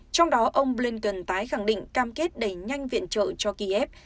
trong đó ông blinken tái khẳng định cam kết đẩy nhanh viện trợ cho kiev